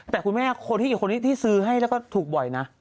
แต่คุณแม่คนที่ซื้อให้แล้วก็ถูกบ่อยนะ